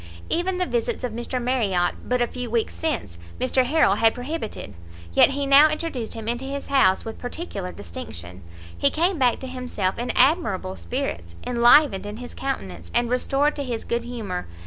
Even the visits of Mr Marriot but a few weeks since Mr Harrel had prohibited, yet he now introduced him into his house with particular distinction; he came back too himself in admirable spirits, enlivened in his countenance, and restored to his good humour.